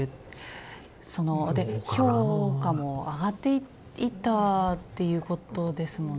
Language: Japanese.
そので評価も上がっていったっていうことですもんね。